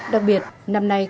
đặc biệt năm nay